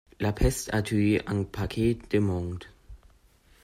La peste a tué un paquet de monde.